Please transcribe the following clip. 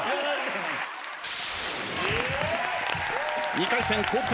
２回戦後攻。